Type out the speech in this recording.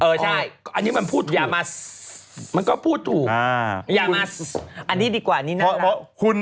เออใช่อันนี้มันพูดถูกอ่านี้ดีกว่านี่น่ารัก